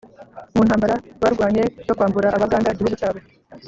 mu ntambara barwanye yo kwambura Abaganda igihugu cyabo.